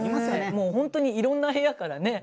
もうほんとにいろんな部屋からね。